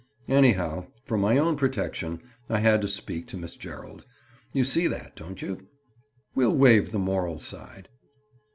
Anyhow, for my own protection, I had to speak to Miss Gerald. You see that, don't you? We'll waive the moral side."